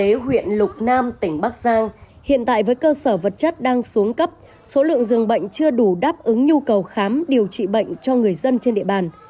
y tế huyện lục nam tỉnh bắc giang hiện tại với cơ sở vật chất đang xuống cấp số lượng dường bệnh chưa đủ đáp ứng nhu cầu khám điều trị bệnh cho người dân trên địa bàn